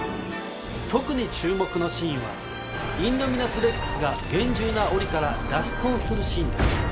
特に注目のシーンはインドミナス・レックスが厳重な檻から脱出をするシーンです。